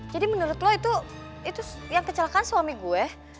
jadi menurut lo itu itu yang kecelakaan suami gue